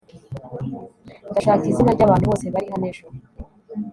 ndashaka izina ryabantu bose bari hano ejo